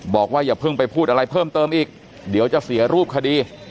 อย่าเพิ่งไปพูดอะไรเพิ่มเติมอีกเดี๋ยวจะเสียรูปคดี